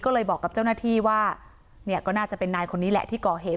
ก็เลยบอกกับเจ้าหน้าที่ว่าเนี่ยก็น่าจะเป็นนายคนนี้แหละที่ก่อเหตุ